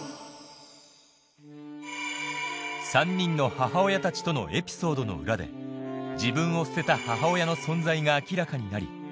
３人の母親たちとのエピソードの裏で自分を捨てた母親の存在が明らかになり